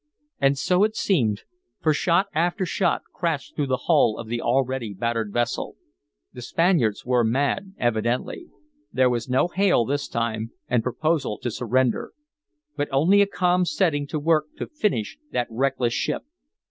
And so it seemed, for shot after shot crashed through the hull of the already battered vessel. The Spaniards were mad, evidently. There was no hail this time and proposal to surrender. But only a calm setting to work to finish that reckless ship.